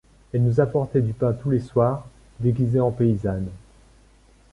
Elle nous apportait du pain tous les soirs, déguisée en paysanne.